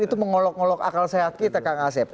itu mengolok ngolok akal sehat kita kang asep